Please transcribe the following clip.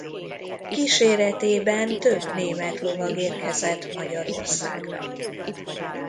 Kíséretében több német lovag érkezett Magyarországra.